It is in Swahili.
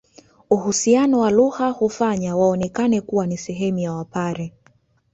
Uhusiano wa lugha hufanya waonekane kuwa ni sehemu ya Wapare